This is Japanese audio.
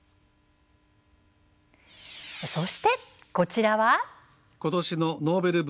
そして、こちらは。